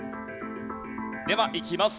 ではいきます。